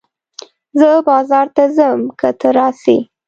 زه بازار ته ځم که ته راسې